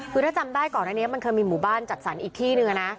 คือถ้าจำได้ก่อนอันนี้มันเคยมีหมู่บ้านจัดสรรอีกที่หนึ่งนะ